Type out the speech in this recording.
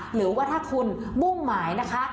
หรือว่าถ้าคุณมุ่งหมายนะคะ